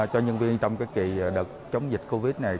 cho nhân viên trong kỳ đợt chống dịch covid này